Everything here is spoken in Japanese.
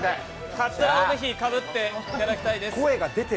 かつらをぜひかぶっていただきたいです。